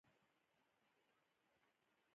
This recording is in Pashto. په افغانستان کې یاقوت ډېر اهمیت لري.